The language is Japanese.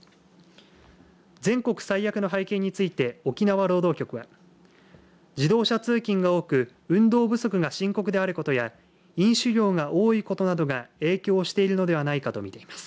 全国最悪の背景について沖縄労働局は自動車通勤が多く運動不足が深刻であることや飲酒量が多いことなどが影響しているのではないかとみています。